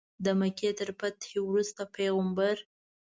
د مکې تر فتحې وروسته پیغمبر.